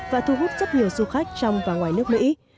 và thu hút rất nhiều du khách trong và ngoài nước mỹ